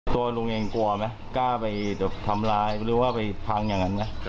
ตัวลุงเองกลัวไหมกล้าไปทำร้ายหรือว่าไปพังอย่างนั้นนะ